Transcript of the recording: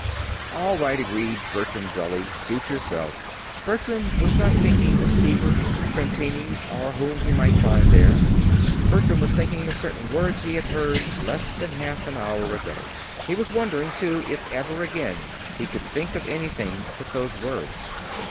"All right," agreed Bertram, dully. "Suit yourself." Bertram was not thinking of Seaver, Trentini's, or whom he might find there. Bertram was thinking of certain words he had heard less than half an hour ago. He was wondering, too, if ever again he could think of anything but those words.